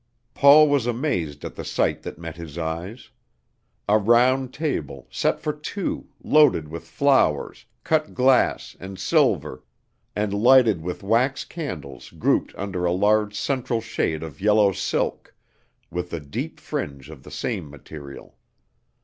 Paul was amazed at the sight that met his eyes. A round table, set for two, loaded with flowers, cut glass, and silver, and lighted with wax candles grouped under a large central shade of yellow silk, with a deep fringe of the same material.